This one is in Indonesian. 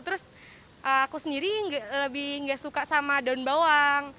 terus aku sendiri lebih nggak suka sama daun bawang